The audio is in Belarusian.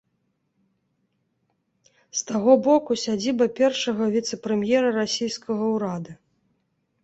З таго боку сядзіба першага віцэ-прэм'ера расійскага ўрада.